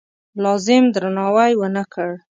لازم درناوی ونه کړ.